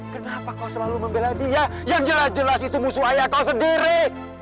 kenapa kau selalu membela dia yang jelas jelas itu musuh ayah kau sendiri